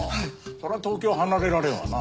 そら東京離れられんわな。